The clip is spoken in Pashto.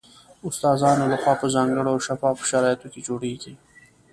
استادانو له خوا په ځانګړو او شفاف شرایطو کې جوړیږي